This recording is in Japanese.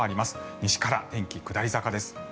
西から天気、下り坂です。